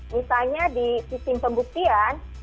misalnya di sistem pembuktian